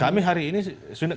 kami berharap kami berharap